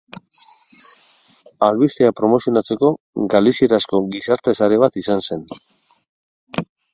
Albisteak promozionatzeko galizierazko gizarte-sare bat izan zen.